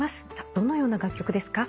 どのような楽曲ですか？